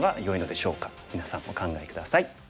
みなさんお考え下さい。